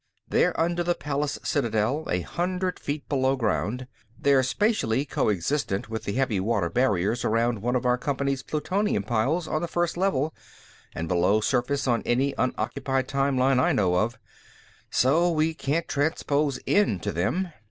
They're under the palace citadel, a hundred feet below ground. They're spatially co existent with the heavy water barriers around one of our company's plutonium piles on the First Level, and below surface on any unoccupied time line I know of, so we can't transpose in to them.